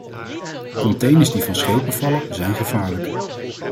Containers die van schepen vallen, zijn gevaarlijk.